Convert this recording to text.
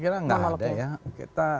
saya kira gak ada ya